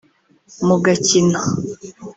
mugakina